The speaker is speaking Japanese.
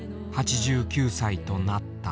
８９歳となった。